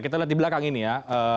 kita lihat di belakang ini ya